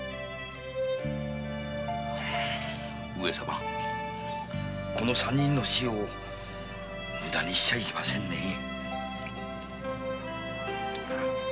上様この三人の死を無駄にしちゃいけませんね。